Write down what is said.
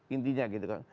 intinya gitu kan